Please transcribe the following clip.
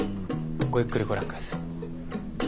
ごゆっくりご覧下さい。